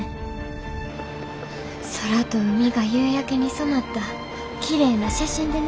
空と海が夕焼けに染まったきれいな写真でな。